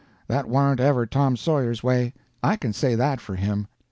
That warn't ever Tom Sawyer's way, I can say that for him.